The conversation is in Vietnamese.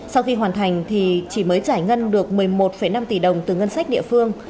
sau khi hoàn thành thì chỉ mới giải ngân được một mươi một năm tỷ đồng từ ngân sách địa phương